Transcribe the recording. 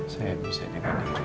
saya bisa dengan diri